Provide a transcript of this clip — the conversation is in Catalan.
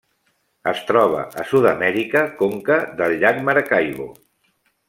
Es troba a Sud-amèrica: conca del llac Maracaibo.